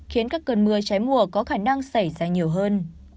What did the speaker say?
khiến các cơn mưa cháy mùa có khả năng xảy ra nhiều hơn